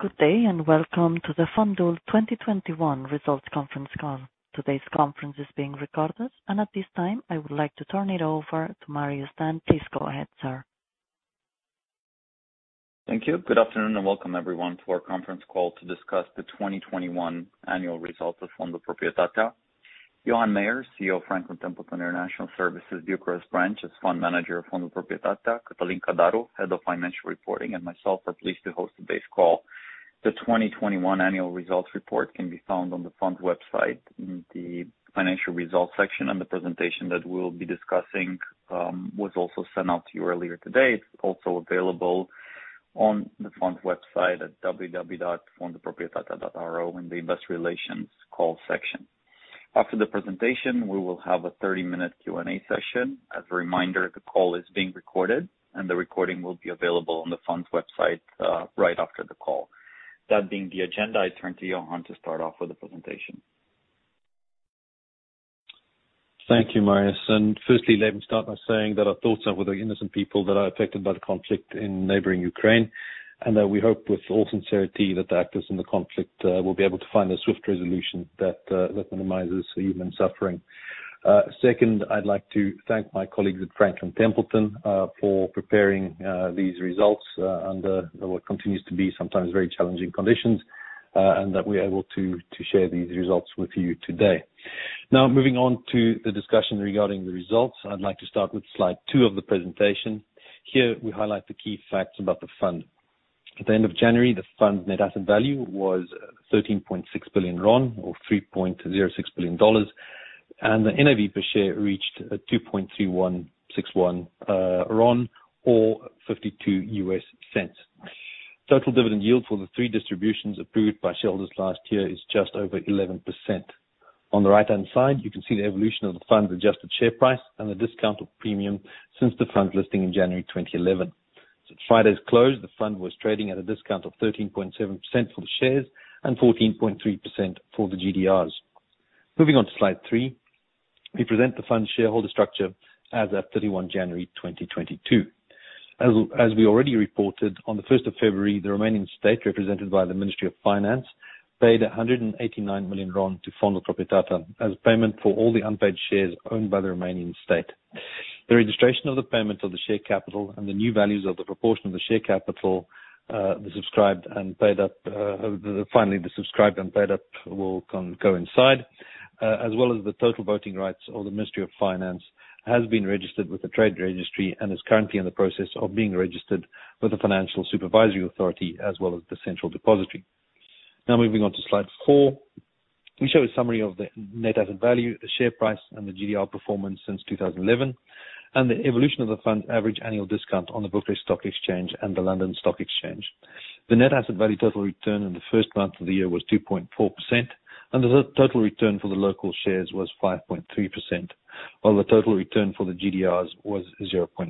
Good day, and welcome to the Fondul Proprietatea 2021 Results Conference Call. Today's conference is being recorded, and at this time, I would like to turn it over to Marius Dan. Please go ahead, sir. Thank you. Good afternoon, and welcome everyone to our conference call to discuss the 2021 annual results of Fondul Proprietatea. Johan Meyer, CEO of Franklin Templeton International Services Bucharest Branch, as fund manager of Fondul Proprietatea, Cătălin Cadaru, head of financial reporting, and myself are pleased to host today's call. The 2021 annual results report can be found on the fund website in the financial results section, and the presentation that we'll be discussing was also sent out to you earlier today. It's also available on the fund's website at www.fondulproprietatea.ro in the investor relations call section. After the presentation, we will have a 30-minute Q&A session. As a reminder, the call is being recorded and the recording will be available on the fund's website right after the call. That being the agenda, I turn to Johan to start off with the presentation. Thank you, Marius. Firstly, let me start by saying that our thoughts are with the innocent people that are affected by the conflict in neighboring Ukraine, and that we hope with all sincerity that the actors in the conflict will be able to find a swift resolution that minimizes human suffering. Second, I'd like to thank my colleagues at Franklin Templeton for preparing these results under what continues to be sometimes very challenging conditions, and that we're able to share these results with you today. Now, moving on to the discussion regarding the results. I'd like to start with slide two of the presentation. Here, we highlight the key facts about the fund. At the end of January, the fund's net asset value was RON 13.6 billion, or $3.06 billion, and the NAV per share reached RON 2.3161 or $0.52. Total dividend yield for the three distributions approved by shareholders last year is just over 11%. On the right-hand side, you can see the evolution of the fund's adjusted share price and the discount or premium since the fund listing in January 2011. Since Friday's close, the fund was trading at a discount of 13.7% for the shares and 14.3% for the GDRs. Moving on to slide three. We present the fund shareholder structure as at 31 January 2022. We already reported on the first of February, the remaining state represented by the Ministry of Finance paid RON 189 million to Fondul Proprietatea as payment for all the unpaid shares owned by the Romanian state. The registration of the payment of the share capital and the new values of the proportion of the share capital, the subscribed and paid up, finally, the subscribed and paid up will go inside, as well as the total voting rights of the Ministry of Finance has been registered with the Trade Registry and is currently in the process of being registered with the Financial Supervisory Authority as well as Depozitarul Central. Now moving on to slide four. We show a summary of the net asset value, the share price, and the GDR performance since 2011, and the evolution of the fund's average annual discount on the Bucharest Stock Exchange and the London Stock Exchange. The net asset value total return in the first month of the year was 2.4%, and the total return for the local shares was 5.3%, while the total return for the GDRs was 0.1%.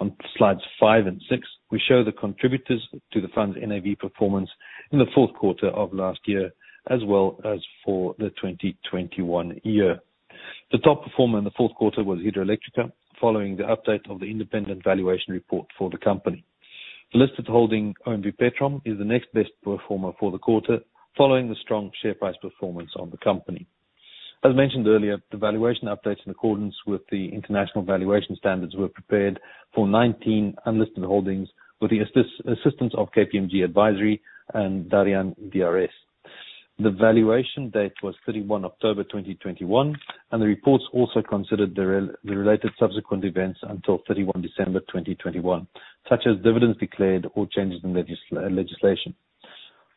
On slides five and six, we show the contributors to the fund's NAV performance in the fourth quarter of last year, as well as for the 2021 year. The top performer in the fourth quarter was Hidroelectrica, following the update of the independent valuation report for the company. The listed holding OMV Petrom is the next best performer for the quarter, following the strong share price performance of the company. As mentioned earlier, the valuation updates in accordance with the International Valuation Standards were prepared for 19 unlisted holdings with the assistance of KPMG Advisory and Darian DRS. The valuation date was 31 October 2021, and the reports also considered the related subsequent events until 31 December 2021, such as dividends declared or changes in legislation.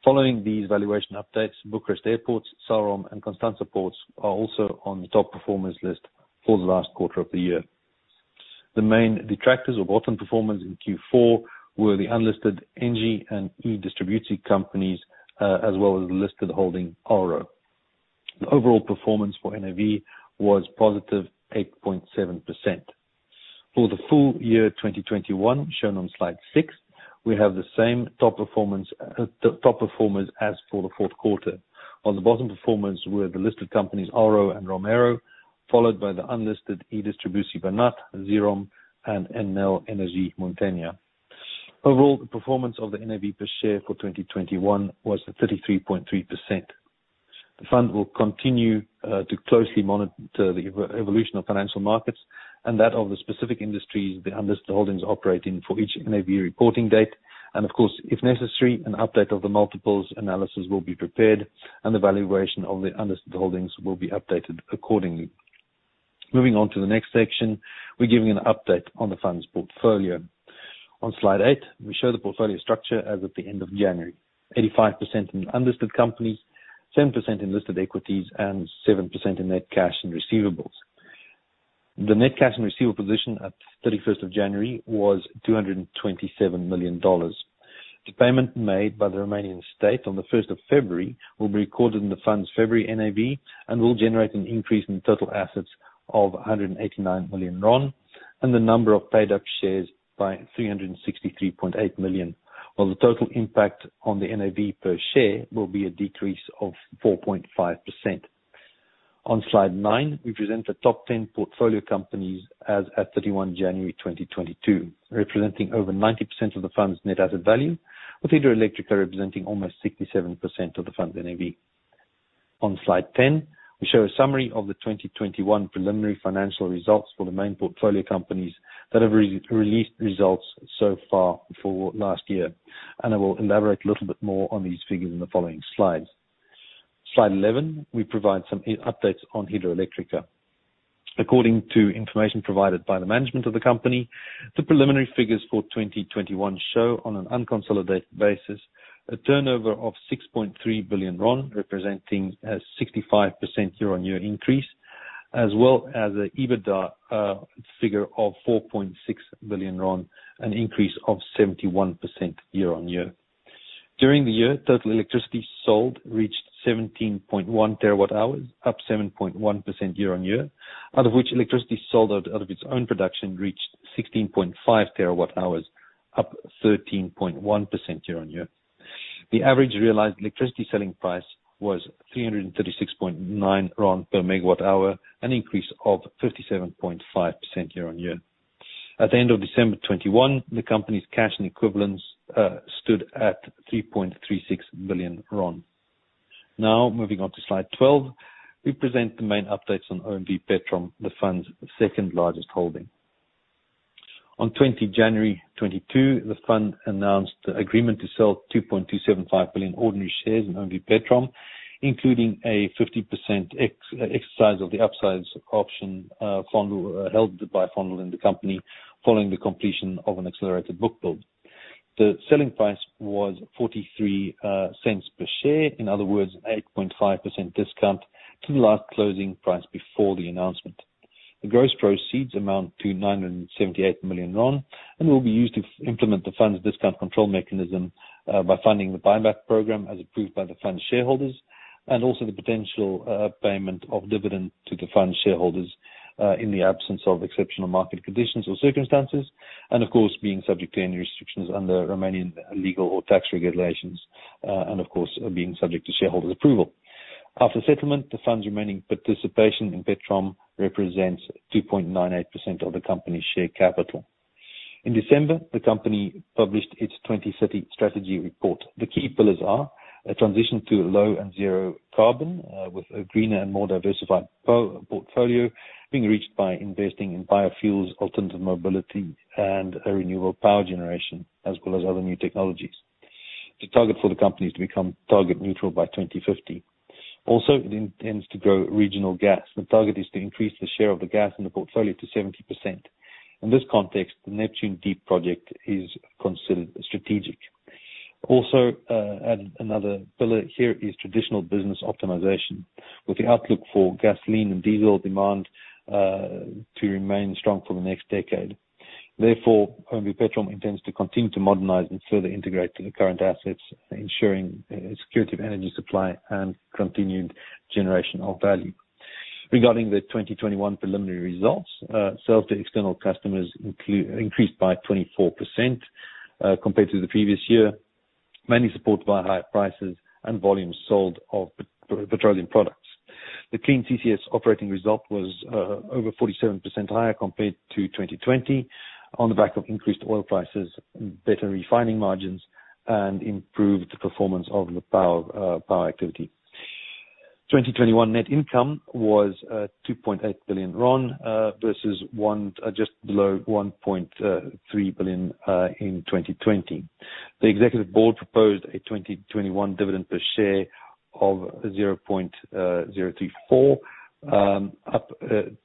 Following these valuation updates, Bucharest Airports, Salrom, and Constanța Port are also on the top performers list for the last quarter of the year. The main detractors or bottom performers in Q4 were the unlisted Engie and E-Distribuție companies, as well as the listed holding Alro. The overall performance for NAV was positive 8.7%. For the full year 2021, shown on slide six, we have the same top performance, top performers as for the fourth quarter. On the bottom performers were the listed companies Alro and Romaero, followed by the unlisted E-Distribuție Banat, Zirom, and Enel Energie Muntenia. Overall, the performance of the NAV per share for 2021 was at 33.3%. The fund will continue to closely monitor the evolution of financial markets and that of the specific industries the unlisted holdings operate in for each NAV reporting date. Of course, if necessary, an update of the multiples analysis will be prepared, and the valuation of the unlisted holdings will be updated accordingly. Moving on to the next section, we're giving an update on the fund's portfolio. On slide eight, we show the portfolio structure as at the end of January. 85% in unlisted companies, 10% in listed equities, and 7% in net cash and receivables. The net cash and receivable position at January 31 was $227 million. The payment made by the Romanian state on 1st of February will be recorded in the fund's February NAV and will generate an increase in total assets of RON 189 million and the number of paid-up shares by 363.8 million, while the total impact on the NAV per share will be a decrease of 4.5%. On slide nine, we present the top 10 portfolio companies as at 31 January 2022, representing over 90% of the fund's net asset value, with Hidroelectrica representing almost 67% of the fund's NAV. On slide 10, we show a summary of the 2021 preliminary financial results for the main portfolio companies that have released results so far for last year. I will elaborate a little bit more on these figures in the following slides. Slide 11, we provide some updates on Hidroelectrica. According to information provided by the management of the company, the preliminary figures for 2021 show on an unconsolidated basis, a turnover of RON 6.3 billion, representing a 65% year-on-year increase, as well as an EBITDA figure of RON 4.6 billion, an increase of 71% year-on-year. During the year, total electricity sold reached 17.1 TWh, up 7.1% year-on-year. Out of which electricity sold out of its own production reached 16.5 TWh, up 13.1% year-on-year. The average realized electricity selling price was RON 336.9 per MWh, an increase of 57.5% year-on-year. At the end of December 2021, the company's cash and equivalents stood at RON 3.36 billion. Now, moving on to slide 12. We present the main updates on OMV Petrom, the fund's second-largest holding. On 20 January 2022, the fund announced the agreement to sell 2.275 billion ordinary shares in OMV Petrom, including a 50% exercise of the upside option held by the fund in the company following the completion of an accelerated book build. The selling price was RON 0.43 per share. In other words, 8.5% discount to the last closing price before the announcement. The gross proceeds amount to RON 978 million and will be used to implement the fund's discount control mechanism by funding the buyback program as approved by the fund shareholders, and also the potential payment of dividend to the fund shareholders in the absence of exceptional market conditions or circumstances, and of course, being subject to any restrictions under Romanian legal or tax regulations, and of course, being subject to shareholder approval. After settlement, the fund's remaining participation in Petrom represents 2.98% of the company's share capital. In December, the company published its twenty twenty strategy report. The key pillars are a transition to low and zero carbon with a greener and more diversified portfolio being reached by investing in biofuels, alternative mobility and a renewable power generation, as well as other new technologies. The target for the company is to become carbon neutral by 2050. It intends to grow regional gas. The target is to increase the share of the gas in the portfolio to 70%. In this context, the Neptun Deep project is considered strategic. Another pillar here is traditional business optimization with the outlook for gasoline and diesel demand to remain strong for the next decade. Therefore, OMV Petrom intends to continue to modernize and further integrate the current assets, ensuring security of energy supply and continued generation of value. Regarding the 2021 preliminary results, sales to external customers increased by 24%, compared to the previous year, mainly supported by higher prices and volumes sold of petroleum products. The CLEAN CCS Operating Result was over 47% higher compared to 2020 on the back of increased oil prices, better refining margins, and improved performance of the power activity. 2021 net income was RON 2.8 billion versus just below RON 1.3 billion in 2020. The executive board proposed a 2021 dividend per share of 0.034, up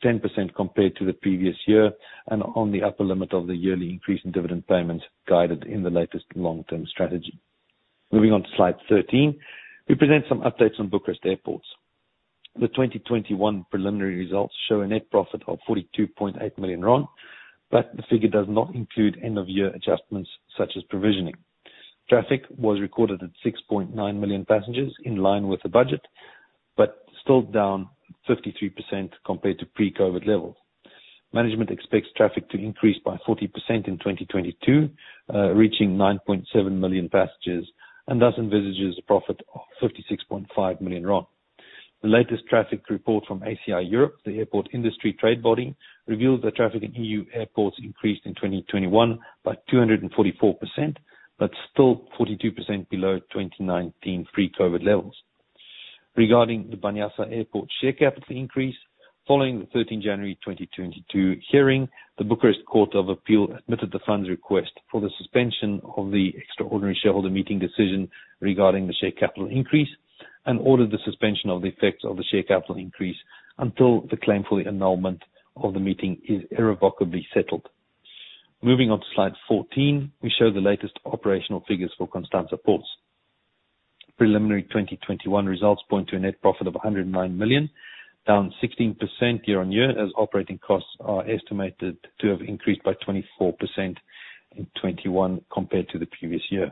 10% compared to the previous year and on the upper limit of the yearly increase in dividend payments guided in the latest long-term strategy. Moving on to slide 13. We present some updates on Bucharest Airports. The 2021 preliminary results show a net profit of RON 42.8 million, but the figure does not include end of year adjustments such as provisioning. Traffic was recorded at 6.9 million passengers, in line with the budget, but still down 53% compared to pre-COVID levels. Management expects traffic to increase by 40% in 2022, reaching 9.7 million passengers, and thus envisages a profit of RON 56.5 million. The latest traffic report from ACI Europe, the airport industry trade body, reveals that traffic in EU airports increased in 2021 by 244%, but still 42% below 2019 pre-COVID levels. Regarding the Băneasa Airport share capital increase, following the 13th January 2022 hearing, the Bucharest Court of Appeal admitted the fund's request for the suspension of the extraordinary shareholder meeting decision regarding the share capital increase and ordered the suspension of the effects of the share capital increase until the claim for the annulment of the meeting is irrevocably settled. Moving on to slide 14. We show the latest operational figures for Constanța Port. Preliminary 2021 results point to a net profit of RON 109 million, down 16% year-on-year as operating costs are estimated to have increased by 24% in 2021 compared to the previous year.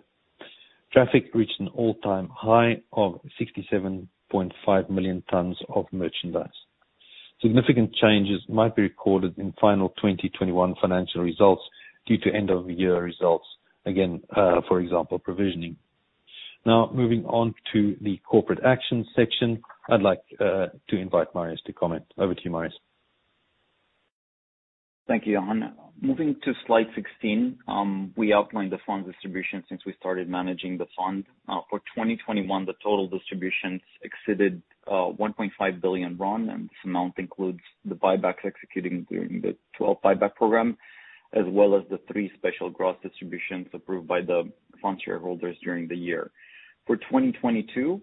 Traffic reached an all-time high of 67.5 million tons of merchandise. Significant changes might be recorded in final 2021 financial results due to end of year results. Again, for example, provisioning. Now moving on to the corporate action section. I'd like to invite Marius to comment. Over to you, Marius. Thank you, Johan. Moving to slide 16, we outlined the fund distribution since we started managing the fund. For 2021, the total distributions exceeded RON 1.5 billion, and this amount includes the buybacks executing during the 12 buyback program, as well as the three special gross distributions approved by the fund shareholders during the year. For 2022,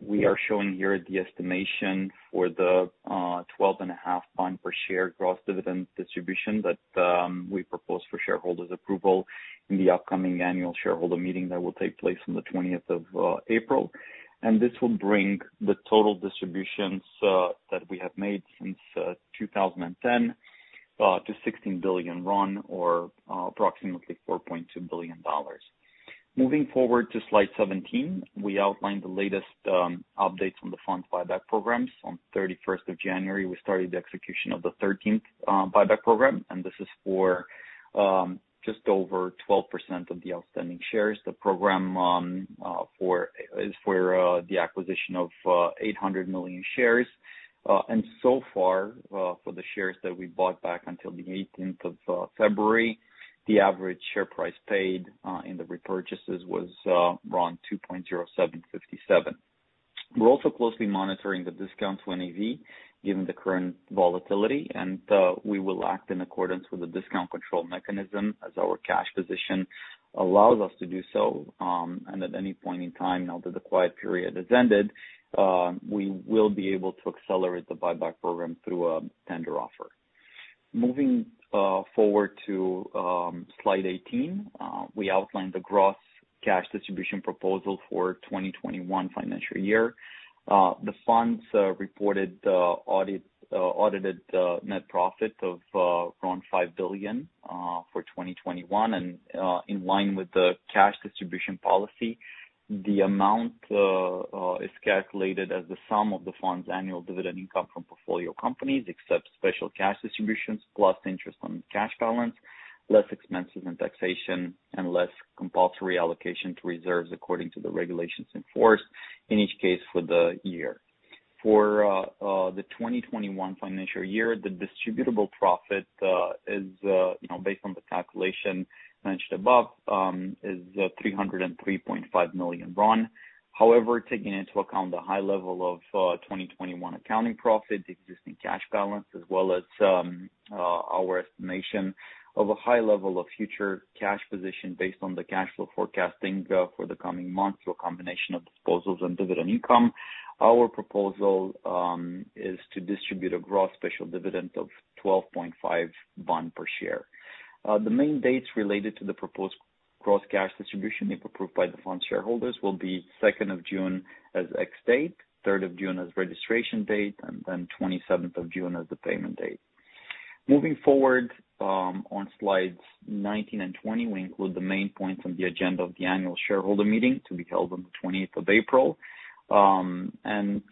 we are showing here the estimation for the RON 12.5 per share gross dividend distribution that we propose for shareholders approval in the upcoming annual shareholder meeting that will take place on the 20th of April. This will bring the total distributions that we have made since 2010 to RON 16 billion or approximately $4.2 billion. Moving forward to slide 17, we outlined the latest updates on the fund buyback programs. On 31st of January, we started the execution of the 13th buyback program, and this is for just over 12% of the outstanding shares. The program is for the acquisition of 800 million shares. So far, for the shares that we bought back until the 18th of February, the average share price paid in the repurchases was RON 2.0757. We're also closely monitoring the discount to NAV, given the current volatility, and we will act in accordance with a discount control mechanism as our cash position allows us to do so. At any point in time now that the quiet period has ended, we will be able to accelerate the buyback program through a tender offer. Moving forward to slide 18, we outlined the gross cash distribution proposal for 2021 financial year. The fund reported audited net profit of around RON 5 billion for 2021. In line with the cash distribution policy, the amount is calculated as the sum of the fund's annual dividend income from portfolio companies, except special cash distributions, plus interest on cash balance, less expenses and taxation, and less compulsory allocation to reserves according to the regulations in force in each case for the year. For the 2021 financial year, the distributable profit is, you know, based on the calculation mentioned above, RON 303,500 million. However, taking into account the high level of 2021 accounting profit, existing cash balance, as well as our estimation of a high level of future cash position based on the cash flow forecasting for the coming months through a combination of disposals and dividend income, our proposal is to distribute a gross special dividend of RON 12.5 per share. The main dates related to the proposed gross cash distribution, if approved by the fund shareholders, will be second of June as ex-date, third of June as registration date, and then 27th of June as the payment date. Moving forward, on slides 19 and 20, we include the main points on the agenda of the annual shareholder meeting to be held on the 20th of April.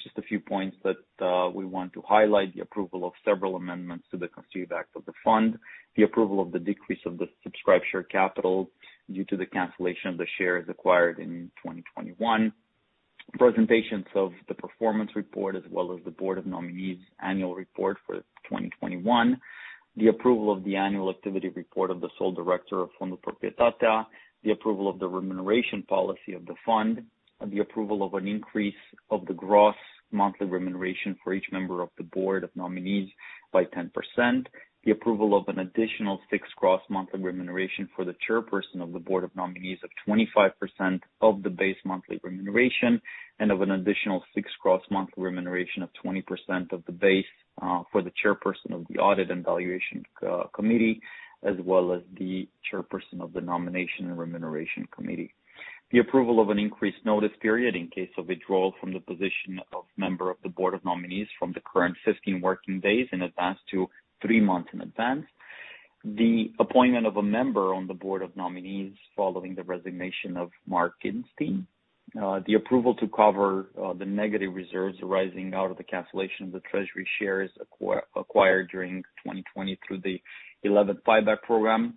Just a few points that we want to highlight, the approval of several amendments to the Constitutive Act of the fund. The approval of the decrease of the subscriber share capital due to the cancellation of the shares acquired in 2021. Presentations of the performance report, as well as the board of nominees annual report for 2021. The approval of the annual activity report of the sole director of Fondul Proprietatea. The approval of the remuneration policy of the fund. The approval of an increase of the gross monthly remuneration for each member of the board of nominees by 10%. The approval of an additional fixed gross monthly remuneration for the chairperson of the Board of Nominees of 25% of the base monthly remuneration, and of an additional fixed gross monthly remuneration of 20% of the base for the chairperson of the audit and valuation committee, as well as the chairperson of the nomination and remuneration committee. The approval of an increased notice period in case of withdrawal from the position of member of the Board of Nominees from the current 15 working days in advance to three months in advance. The appointment of a member on the Board of Nominees following the resignation of Mark Gitenstein. The approval to cover the negative reserves arising out of the cancellation of the treasury shares acquired during 2020 through the 11th buyback program.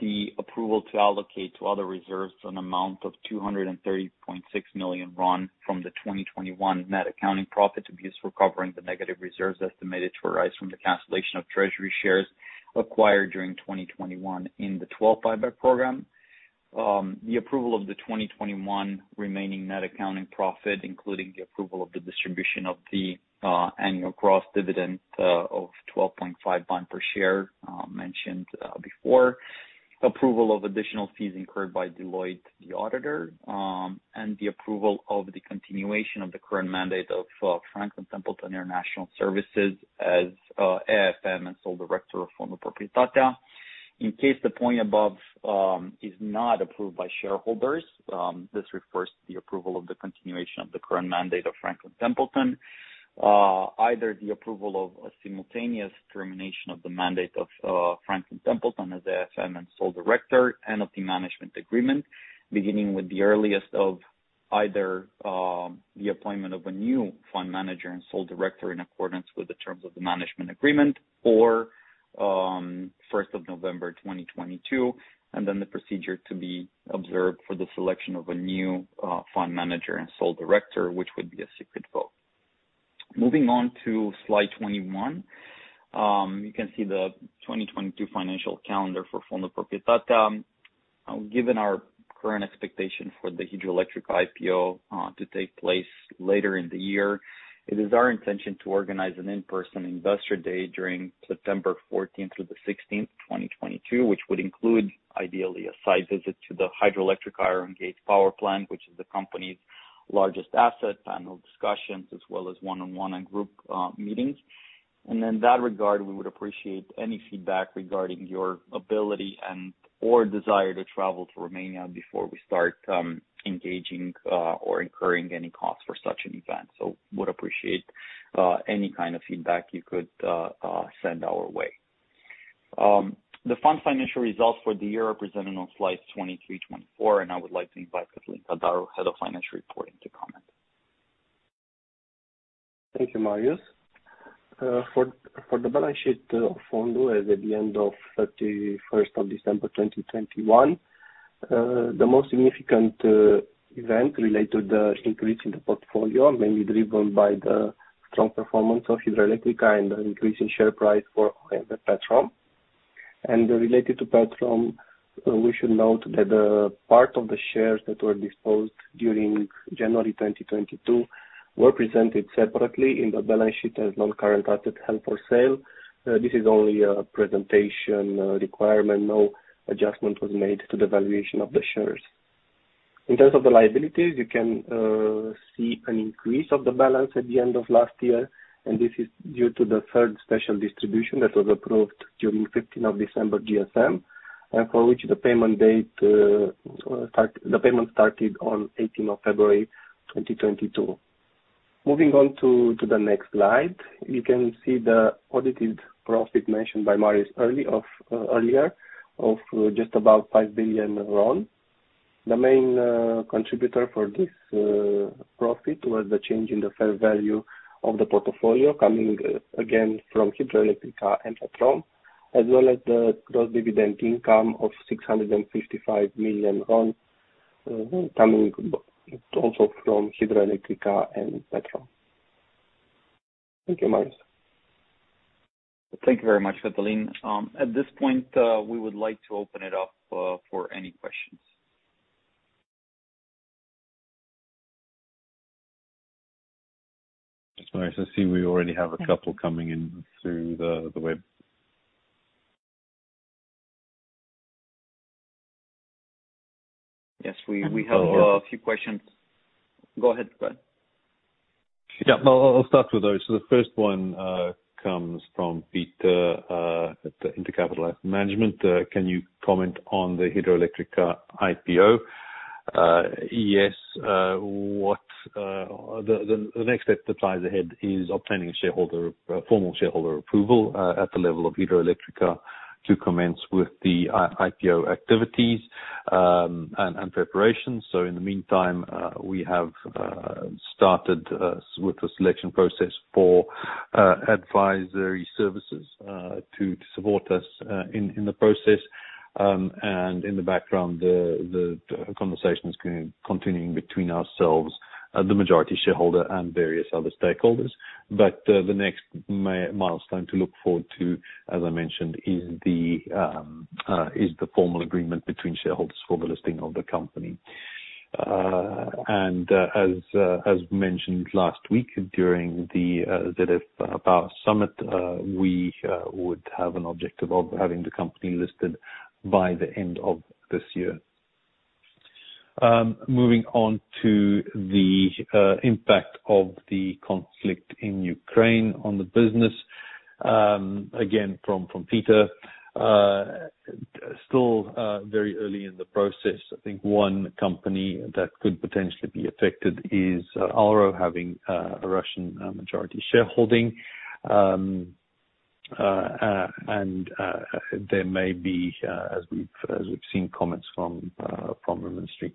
The approval to allocate to other reserves an amount of RON 230.6 million from the 2021 net accounting profit to be used for covering the negative reserves estimated to arise from the cancellation of treasury shares acquired during 2021 in the 12th buyback program. The approval of the 2021 remaining net accounting profit, including the approval of the distribution of the annual gross dividend of RON 12.5 per share, mentioned before. Approval of additional fees incurred by Deloitte, the auditor. The approval of the continuation of the current mandate of Franklin Templeton International Services as AIFM and sole director of Fondul Proprietatea. In case the point above is not approved by shareholders, this refers to the approval of the continuation of the current mandate of Franklin Templeton. Either the approval of a simultaneous termination of the mandate of Franklin Templeton as the AIFM and sole director and of the management agreement, beginning with the earliest of either the appointment of a new fund manager and sole director in accordance with the terms of the management agreement or 1st of November 2022, and then the procedure to be observed for the selection of a new fund manager and sole director, which would be a secret vote. Moving on to slide 21, you can see the 2022 financial calendar for Fondul Proprietatea. Given our current expectation for the Hidroelectrica IPO to take place later in the year, it is our intention to organize an in-person investor day during September 14 through 16, 2022. Which would include, ideally, a site visit to the Hidroelectrica Iron Gate Power Plant, which is the company's largest asset, panel discussions, as well as one-on-one and group meetings. In that regard, we would appreciate any feedback regarding your ability and/or desire to travel to Romania before we start engaging or incurring any costs for such an event. Would appreciate any kind of feedback you could send our way. The Fund's financial results for the year are presented on slides 23, 24, and I would like to invite Cătălin Cadaru, Head of Financial Reporting, to comment. Thank you, Marius. For the balance sheet of Fondul as at the end of 31st December 2021, the most significant event related to the increase in the portfolio may be driven by the strong performance of Hidroelectrica and the increase in share price for OMV Petrom. Related to Petrom, we should note that part of the shares that were disposed during January 2022 were presented separately in the balance sheet as non-current asset held for sale. This is only a presentation requirement. No adjustment was made to the valuation of the shares. In terms of the liabilities, you can see an increase of the balance at the end of last year, and this is due to the third special distribution that was approved during 15 December GSM, for which the payment date start. The payment started on 18 February 2022. Moving on to the next slide, you can see the audited profit mentioned by Marius earlier of just about RON 5 billion. The main contributor for this profit was the change in the fair value of the portfolio, coming again from Hidroelectrica and Petrom, as well as the gross dividend income of RON 655 million, coming also from Hidroelectrica and Petrom. Thank you, Marius. Thank you very much, Cătălin. At this point, we would like to open it up for any questions. All right. I see we already have a couple coming in through the web. Yes, we have. Oh, yeah. A few questions. Go ahead, Johan. I'll start with those. The first one comes from Peter at Intercapital Asset Management. Can you comment on the Hidroelectrica IPO? Yes. The next step that lies ahead is obtaining formal shareholder approval at the level of Hidroelectrica to commence with the IPO activities and preparations. In the meantime, we have started with the selection process for advisory services to support us in the process. In the background, the conversation is continuing between ourselves, the majority shareholder and various other stakeholders. The next milestone to look forward to, as I mentioned, is the formal agreement between shareholders for the listing of the company. As mentioned last week during the ZF Power Summit, we would have an objective of having the company listed by the end of this year. Moving on to the impact of the conflict in Ukraine on the business, again from Peter. Still very early in the process. I think one company that could potentially be affected is Alro having a Russian majority shareholding. There may be, as we've seen comments from the ministry,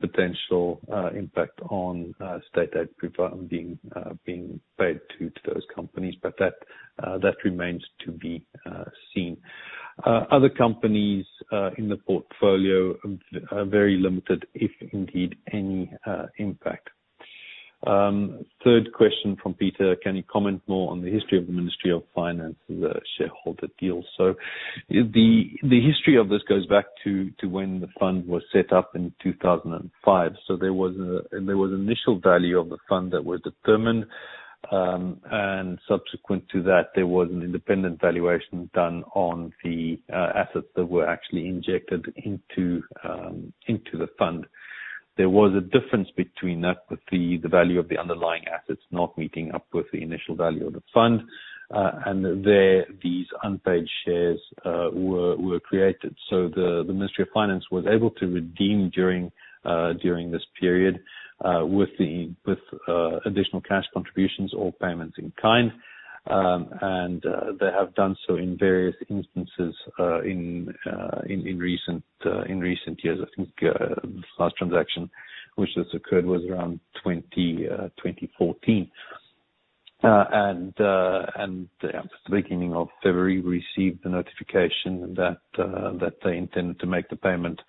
potential impact on state aid profile being paid to those companies, but that remains to be seen. Other companies in the portfolio are very limited, if indeed any impact. Third question from Peter: Can you comment more on the history of the Ministry of Finance and the shareholder deal? The history of this goes back to when the fund was set up in 2005. There was initial value of the fund that was determined, and subsequent to that, there was an independent valuation done on the assets that were actually injected into the fund. There was a difference between that, with the value of the underlying assets not meeting up with the initial value of the fund, and these unpaid shares were created. The Ministry of Finance was able to redeem during this period with additional cash contributions or payments in kind. They have done so in various instances in recent years. I think the last transaction which has occurred was around 2014. We received the notification at the beginning of February that they intend to make the payment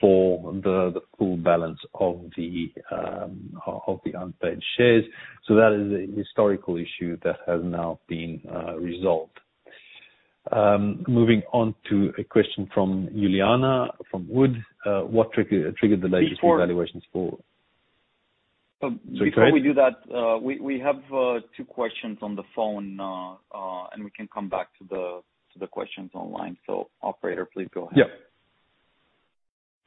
for the full balance of the unpaid shares. That is a historical issue that has now been resolved. Moving on to a question from Juliana from Wood. What triggered the latest evaluations for- Before- Sorry, go ahead. Before we do that, we have two questions on the phone, and we can come back to the questions online. Operator, please go ahead.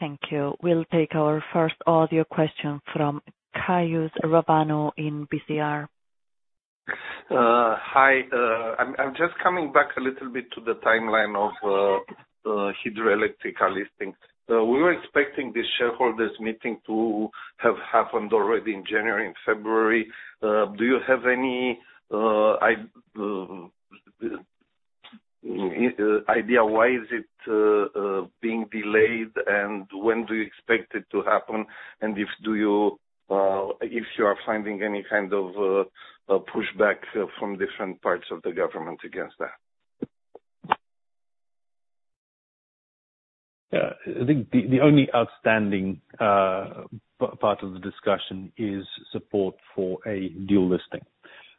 Yeah. Thank you. We'll take our first audio question from Caius Rapanu in BCR. Hi. I'm just coming back a little bit to the timeline of Hidroelectrica listing. We were expecting the shareholders meeting to have happened already in January and February. Do you have any idea why is it being delayed, and when do you expect it to happen? If you are finding any kind of pushback from different parts of the government against that? Yeah. I think the only outstanding part of the discussion is support for a dual listing.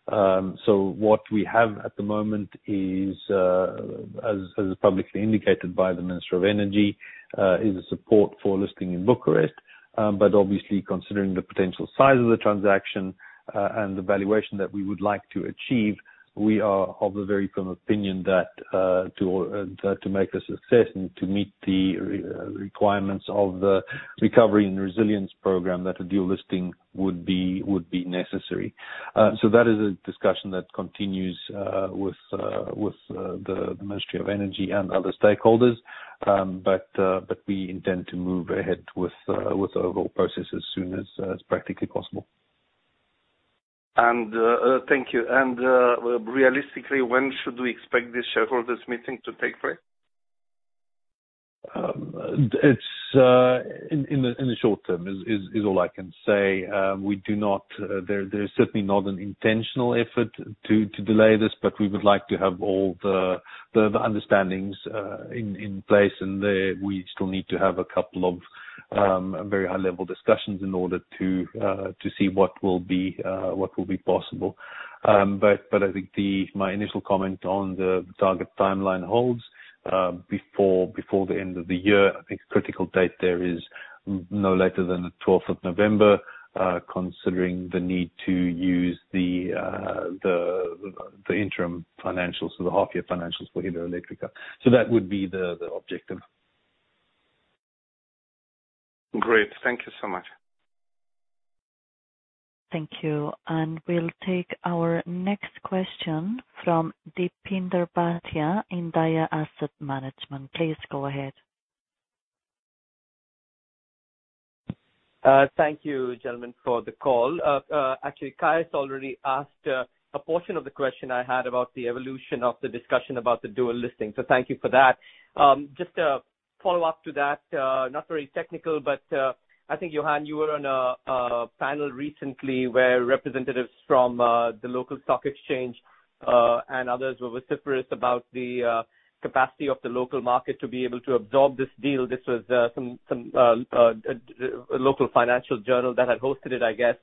What we have at the moment is, as publicly indicated by the Minister of Energy, is a support for listing in Bucharest. Obviously, considering the potential size of the transaction, and the valuation that we would like to achieve, we are of the very firm opinion that, to make a success and to meet the requirements of the recovery and resilience program, that a dual listing would be necessary. That is a discussion that continues with the Ministry of Energy and other stakeholders. We intend to move ahead with the overall process as soon as practically possible. Thank you. Realistically, when should we expect this shareholders meeting to take place? It's in the short term is all I can say. There's certainly not an intentional effort to delay this, but we would like to have all the understandings in place. We still need to have a couple of very high-level discussions in order to see what will be possible. I think my initial comment on the target timeline holds before the end of the year. I think a critical date there is no later than the twelfth of November, considering the need to use the interim financials or the half-year financials for Hidroelectrica. That would be the objective. Great. Thank you so much. Thank you. We'll take our next question from Deepinder Bhatia, Bayard Asset Management. Please go ahead. Thank you, gentlemen, for the call. Actually, Caius already asked a portion of the question I had about the evolution of the discussion about the dual listing, so thank you for that. Just a follow-up to that, not very technical, but I think, Johan, you were on a panel recently where representatives from the local stock exchange and others were vociferous about the capacity of the local market to be able to absorb this deal. This was some local financial journal that had hosted it, I guess.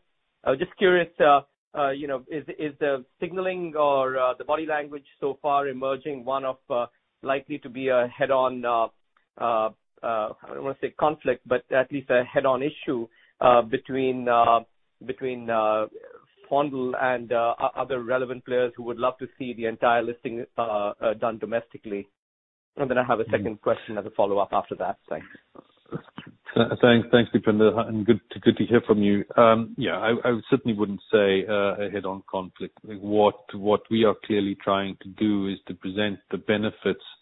I was just curious, you know, is the signaling or the body language so far emerging one of likely to be a head-on, I don't wanna say conflict, but at least a head-on issue between Fondul and other relevant players who would love to see the entire listing done domestically? Then I have a second question as a follow-up after that. Thanks. Thanks, Deepinder, and good to hear from you. Yeah, I certainly wouldn't say a head-on conflict. Like, what we are clearly trying to do is to present the benefits of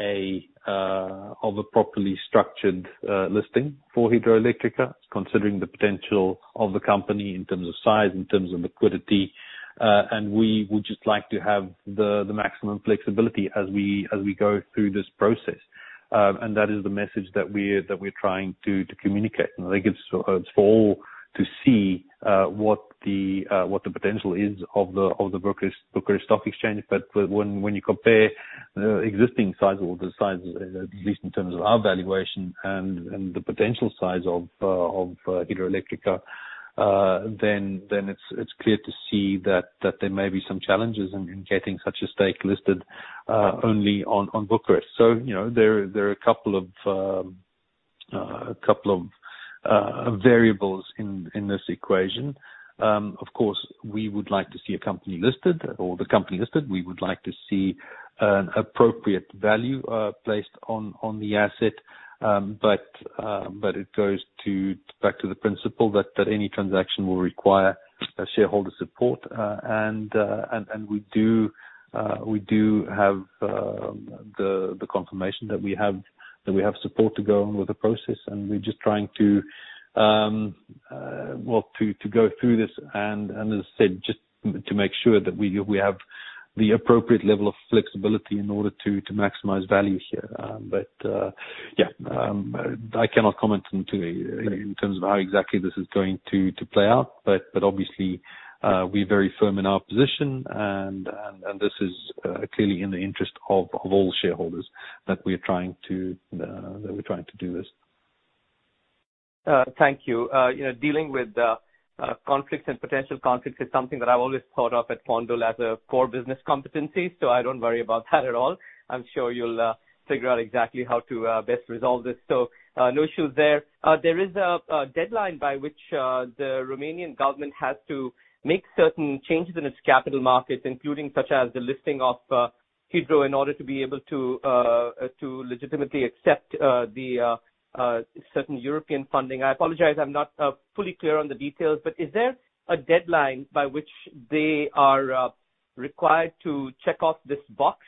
a properly structured listing for Hidroelectrica, considering the potential of the company in terms of size, in terms of liquidity. We would just like to have the maximum flexibility as we go through this process. That is the message that we're trying to communicate. I think it's for all to see what the potential is of the Bucharest Stock Exchange. When you compare the existing size or the size, at least in terms of our valuation and the potential size of Hidroelectrica, then it's clear to see that there may be some challenges in getting such a stake listed only on Bucharest. You know, there are a couple of variables in this equation. Of course, we would like to see a company listed or the company listed. We would like to see an appropriate value placed on the asset. But it goes back to the principle that any transaction will require shareholder support. We do have the confirmation that we have support to go on with the process, and we're just trying to, well, to go through this, and as I said, just to make sure that we have The appropriate level of flexibility in order to maximize value here. I cannot comment on in terms of how exactly this is going to play out. Obviously, we're very firm in our position and this is clearly in the interest of all shareholders that we're trying to do this. Thank you. You know, dealing with conflicts and potential conflicts is something that I've always thought of at Fondul as a core business competency, so I don't worry about that at all. I'm sure you'll figure out exactly how to best resolve this. No issues there. There is a deadline by which the Romanian government has to make certain changes in its capital markets, including such as the listing of Hidroelectrica, in order to be able to legitimately accept the certain European funding. I apologize I'm not fully clear on the details, but is there a deadline by which they are required to check off this box?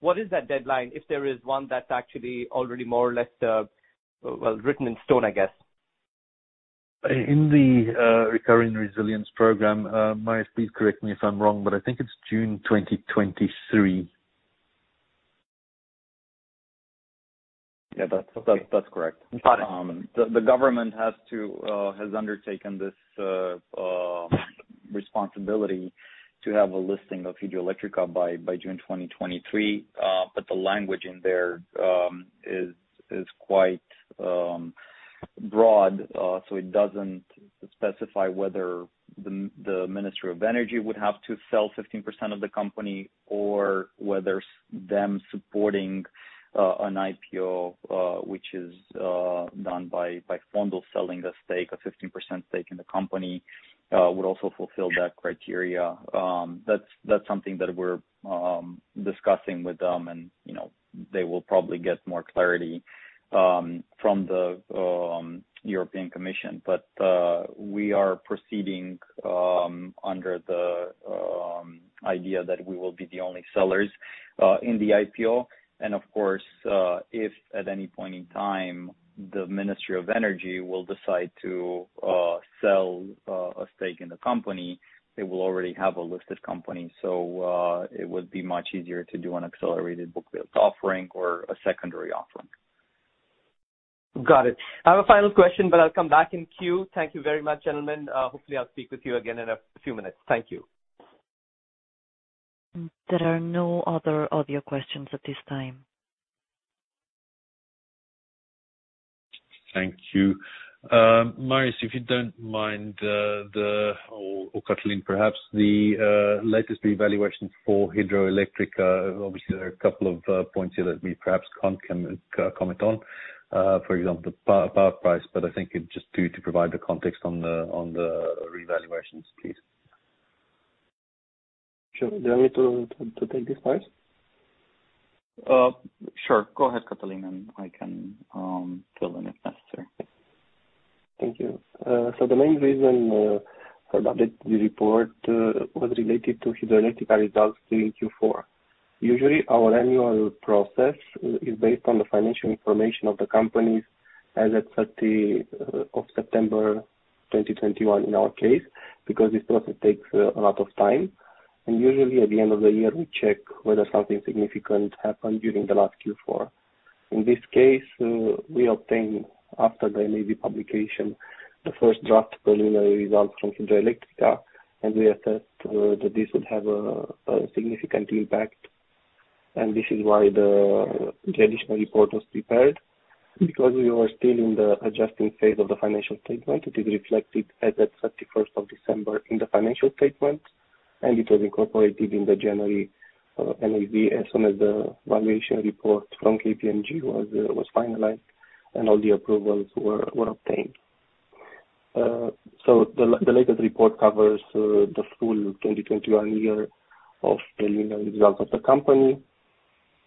What is that deadline, if there is one that's actually already more or less, well, written in stone, I guess? In the Recovery and Resilience Program, Marius, please correct me if I'm wrong, but I think it's June 2023. Yeah, that's correct. Got it. The government has undertaken this responsibility to have a listing of Hidroelectrica by June 2023. The language in there is quite broad. It doesn't specify whether the Ministry of Energy would have to sell 15% of the company or whether them supporting an IPO, which is done by Fondul selling the stake, a 15% stake in the company, would also fulfill that criteria. That's something that we're discussing with them and, you know, they will probably get more clarity from the European Commission. We are proceeding under the idea that we will be the only sellers in the IPO. Of course, if at any point in time, the Ministry of Energy will decide to sell a stake in the company, they will already have a listed company. It would be much easier to do an accelerated book build offering or a secondary offering. Got it. I have a final question, but I'll come back in queue. Thank you very much, gentlemen. Hopefully, I'll speak with you again in a few minutes. Thank you. There are no other audio questions at this time. Thank you. Marius, if you don't mind, or Cătălin, perhaps, the latest revaluations for Hidroelectrica. Obviously, there are a couple of points here that we perhaps can't comment on. For example, the power price. I think it's just to provide the context on the revaluations, please. Sure. Do you want me to take this, Marius? Sure. Go ahead, Cătălin, and I can fill in if necessary. Thank you. The main reason for the update, the report, was related to Hidroelectrica results in Q4. Usually, our annual process is based on the financial information of the companies as at 30 of September 2021, in our case, because this process takes a lot of time. Usually, at the end of the year, we check whether something significant happened during the last Q4. In this case, we obtained, after the NAV publication, the first draft preliminary results from Hidroelectrica, and we assessed that this would have a significant impact. This is why the additional report was prepared. Because we were still in the adjusting phase of the financial statement, it is reflected as at 31st December in the financial statement, and it was incorporated in the January NAV as soon as the valuation report from KPMG was finalized and all the approvals were obtained. The latest report covers the full 2021 year of the linear results of the company.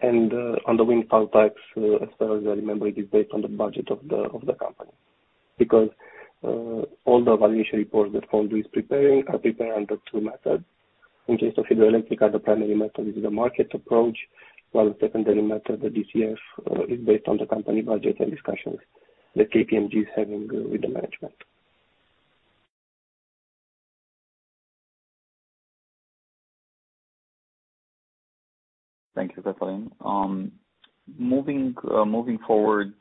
On the windfall tax, as far as I remember, it is based on the budget of the company. All the valuation reports that Fondul is preparing are prepared under two methods. In case of Hidroelectrica, the primary method is the market approach, while the secondary method, the DCF, is based on the company budget and discussions that KPMG is having with the management. Thank you, Cătălin. Moving forward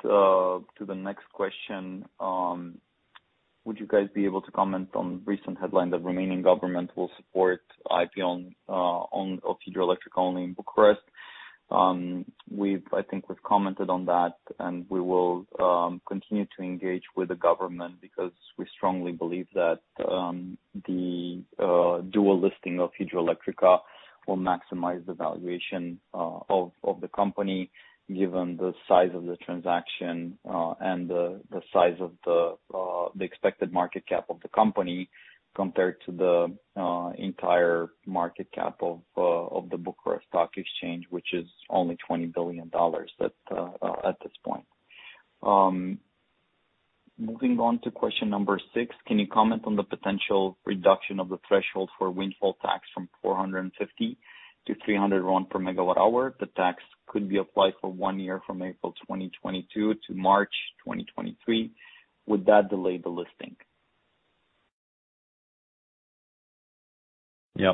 to the next question, would you guys be able to comment on recent headline that Romanian government will support IPO of Hidroelectrica only in Bucharest? I think we've commented on that, and we will continue to engage with the government because we strongly believe that the dual listing of Hidroelectrica will maximize the valuation of the company, given the size of the transaction and the size of the expected market cap of the company compared to the entire market cap of the Bucharest Stock Exchange, which is only $20 billion at this point. Moving on to question number six. Can you comment on the potential reduction of the threshold for windfall tax from RON 450 MWh to RON 300 per MWh, the tax could be applied for one year from April 2022 to March 2023. Would that delay the listing? Yeah.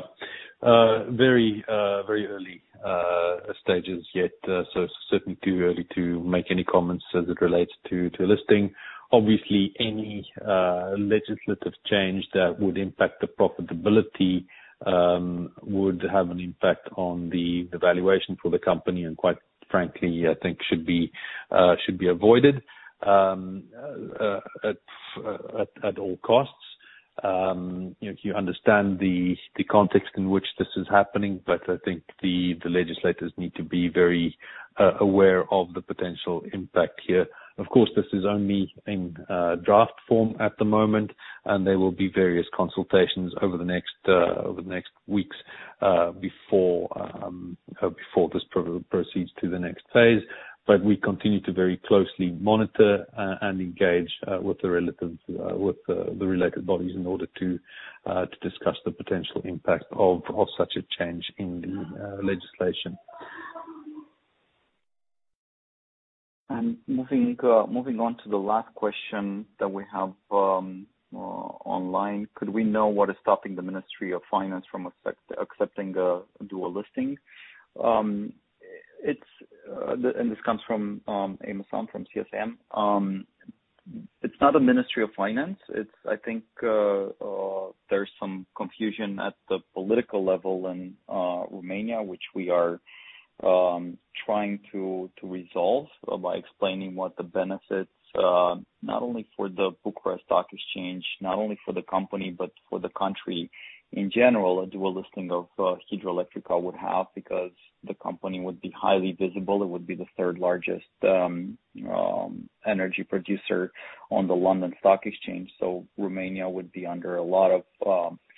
Very early stages yet, so certainly too early to make any comments as it relates to a listing. Obviously, any legislative change that would impact the profitability would have an impact on the valuation for the company, and quite frankly, I think should be avoided at all costs. You know, you understand the context in which this is happening, but I think the legislators need to be very aware of the potential impact here. Of course, this is only in draft form at the moment, and there will be various consultations over the next weeks before this proceeds to the next phase. We continue to very closely monitor and engage with the related bodies in order to discuss the potential impact of such a change in legislation. Moving on to the last question that we have online. Could we know what is stopping the Ministry of Finance from accepting a dual listing? This comes from Amos San from CSM. It's not a Ministry of Finance. It's I think there's some confusion at the political level in Romania, which we are trying to resolve by explaining what the benefits not only for the Bucharest Stock Exchange, not only for the company, but for the country in general, a dual listing of Hidroelectrica would have, because the company would be highly visible. It would be the third-largest energy producer on the London Stock Exchange. Romania would be under a lot of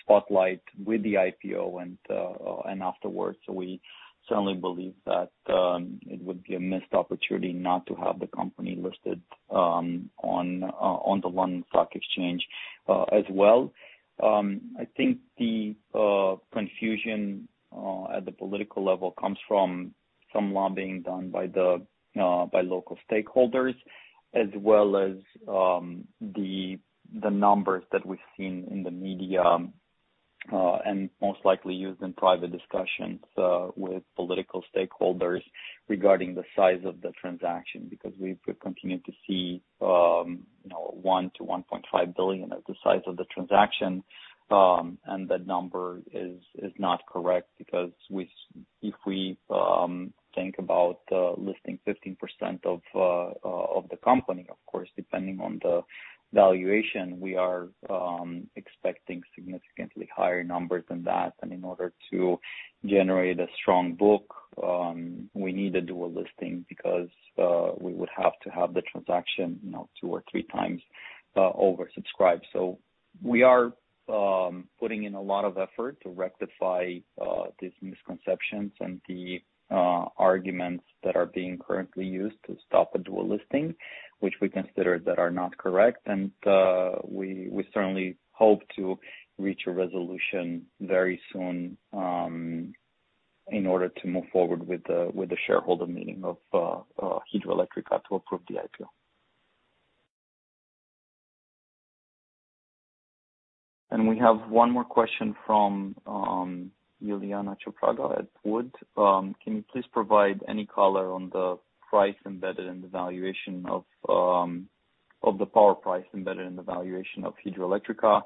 spotlight with the IPO and afterwards. We certainly believe that it would be a missed opportunity not to have the company listed on the London Stock Exchange as well. I think the confusion at the political level comes from some lobbying done by local stakeholders, as well as the numbers that we've seen in the media and most likely used in private discussions with political stakeholders regarding the size of the transaction, because we've continued to see you know RON 1 billion-RON 1.5 billion as the size of the transaction. And that number is not correct because if we think about listing 15% of the company, of course, depending on the valuation, we are expecting significantly higher numbers than that. In order to generate a strong book, we need a dual listing because we would have to have the transaction, you know, 2x or 3x oversubscribed. We are putting in a lot of effort to rectify these misconceptions and the arguments that are being currently used to stop a dual listing, which we consider that are not correct. We certainly hope to reach a resolution very soon in order to move forward with the shareholder meeting of Hidroelectrica to approve the IPO. We have one more question from Iuliana Ciopraga at WOOD & Company. Can you please provide any color on the power price embedded in the valuation of Hidroelectrica?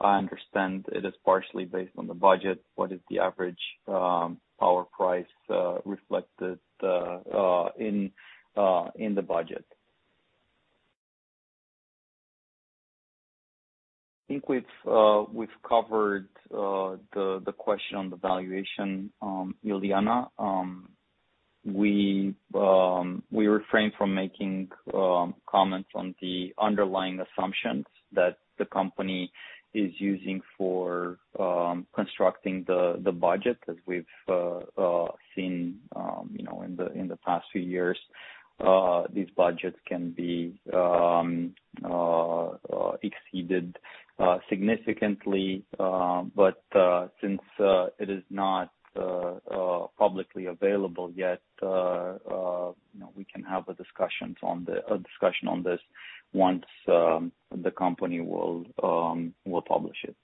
I understand it is partially based on the budget. What is the average power price reflected in the budget? I think we've covered the question on the valuation, Iuliana. We refrain from making comments on the underlying assumptions that the company is using for constructing the budget. As we've seen, you know, in the past few years, these budgets can be exceeded significantly. But since it is not publicly available yet, you know, we can have a discussion on this once the company will publish it.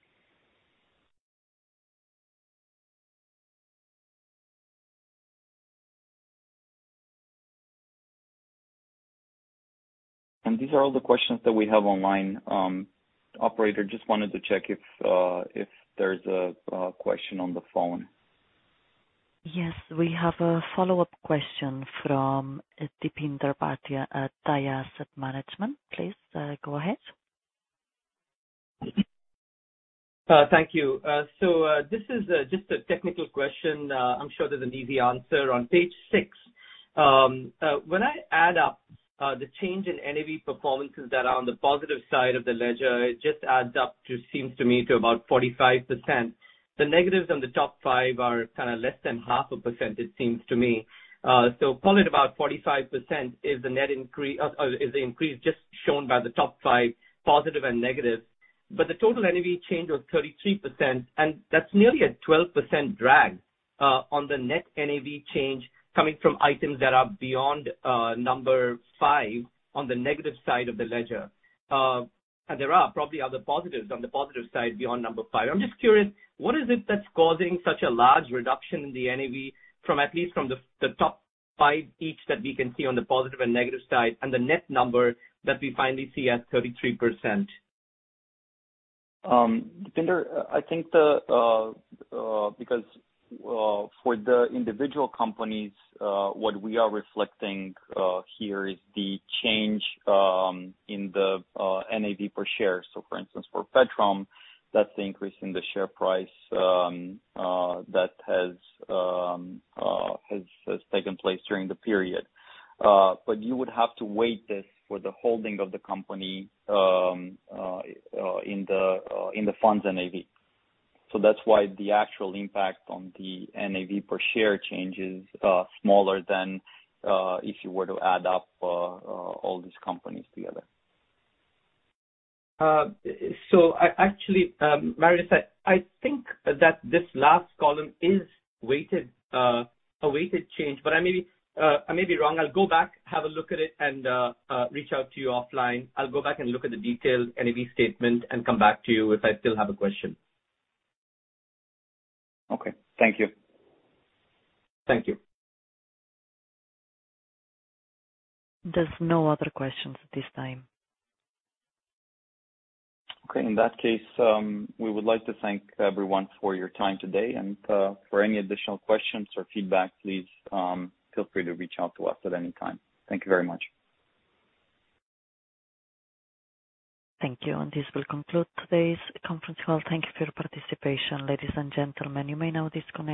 These are all the questions that we have online. Operator, just wanted to check if there's a question on the phone. Yes, we have a follow-up question from Deepinder Bhatia at Bayard Asset Management. Please, go ahead. Thank you. This is just a technical question. I'm sure there's an easy answer. On page six, when I add up the change in NAV performances that are on the positive side of the ledger, it just adds up to, seems to me, about 45%. The negatives on the top five are kinda less than half a percent, it seems to me. Call it about 45%. Is the net increase just shown by the top five positive and negative? The total NAV change was 33%, and that's nearly a 12% drag on the net NAV change coming from items that are beyond number five on the negative side of the ledger. There are probably other positives on the positive side beyond number five. I'm just curious, what is it that's causing such a large reduction in the NAV from at least the top five each that we can see on the positive and negative side, and the net number that we finally see at 33%? I think because for the individual companies what we are reflecting here is the change in the NAV per share. For instance, for Petrom, that's the increase in the share price that has taken place during the period. You would have to weight this for the holding of the company in the fund's NAV. That's why the actual impact on the NAV per share change is smaller than if you were to add up all these companies together. Actually, Marius, I think that this last column is a weighted change, but I may be wrong. I'll go back, have a look at it, and reach out to you offline. I'll go back and look at the detailed NAV statement and come back to you if I still have a question. Okay. Thank you. Thank you. There's no other questions at this time. Okay. In that case, we would like to thank everyone for your time today. For any additional questions or feedback, please, feel free to reach out to us at any time. Thank you very much. Thank you. This will conclude today's conference call. Thank you for your participation, ladies and gentlemen. You may now disconnect.